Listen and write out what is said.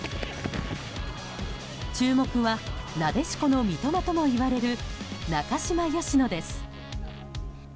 注目はなでしこの三笘ともいわれる中嶋淑乃です。